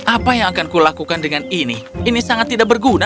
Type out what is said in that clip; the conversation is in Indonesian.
apa yang akan kulakukan dengan ini ini sangat tidak berguna